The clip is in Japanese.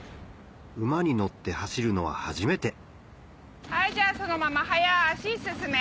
馬に乗って走るのは初めてじゃあそのまま早足進め。